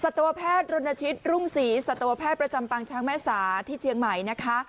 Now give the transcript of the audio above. ตวแพทย์รณชิตรุ่งศรีสัตวแพทย์ประจำปางช้างแม่สาที่เชียงใหม่นะคะ